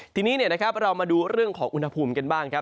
ทีนี้เรามาดูเรื่องของอุณหภูมิกันบ้างครับ